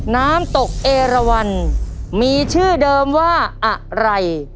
น้ำตกเอราวันมีชื่อเดิมว่าอะไร